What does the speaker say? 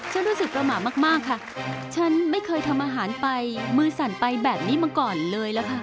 ฉันรู้สึกประมาทมากค่ะฉันไม่เคยทำอาหารไปมือสั่นไปแบบนี้มาก่อนเลยล่ะค่ะ